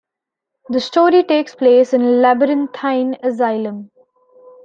The story takes place in a labyrinthine asylum.